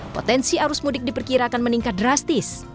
potensi arus mudik diperkirakan meningkat drastis